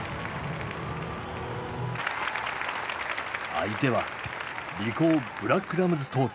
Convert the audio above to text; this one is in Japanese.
相手はリコーブラックラムズ東京。